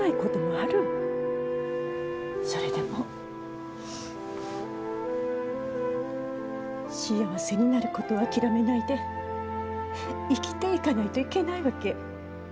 それでも幸せになることを諦めないで生きていかないといけないわけ。